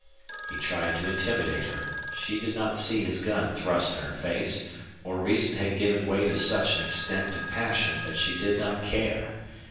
He tried to intimidate her. She did not see his gun thrust in her face, or reason had given way to such an extent to passion that she did not care.